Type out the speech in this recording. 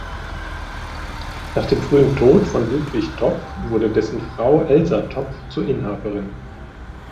Nach dem frühen Tod von Ludwig Topf wurde dessen Frau Elsa Topf zur Inhaberin.